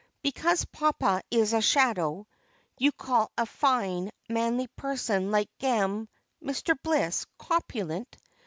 Because papa is a shadow, you call a fine, manly person like Gam Mr. Bliss, corpulent.